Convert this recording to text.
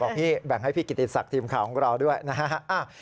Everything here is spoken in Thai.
พี่แบ่งให้พี่กิติศักดิ์ทีมข่าวของเราด้วยนะฮะ